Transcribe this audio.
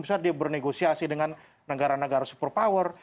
misalnya dia bernegosiasi dengan negara negara super power